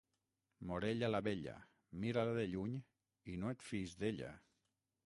Morella la bella, mira-la de lluny i no et fiïs d'ella.